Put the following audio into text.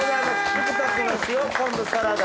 ふくたちの塩昆布サラダ。